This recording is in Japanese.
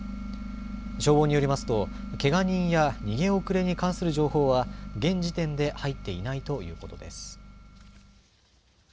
消防によりますとけが人や逃げ遅れに関する情報は現時点で入っていないということです。